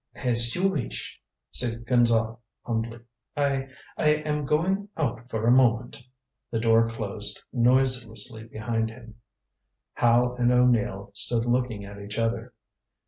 "As you wish," said Gonzale humbly. "I I am going out for a moment." The door closed noiselessly behind him. Howe and O'Neill stood looking at each other.